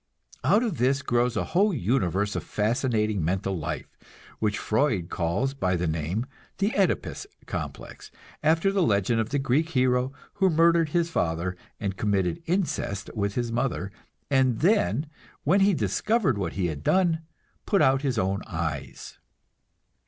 Out of this grows a whole universe of fascinating mental life, which Freud calls by the name "the [OE]dipus complex" after the legend of the Greek hero who murdered his father and committed incest with his mother, and then, when he discovered what he had done, put out his own eyes.